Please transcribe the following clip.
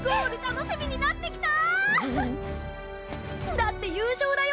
だって優勝だよ？